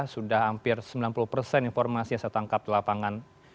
sudah hampir sembilan puluh persen informasi yang saya tangkap di lapangan